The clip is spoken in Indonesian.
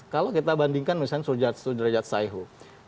kalau kita bandingkan misalnya surjadzat sajho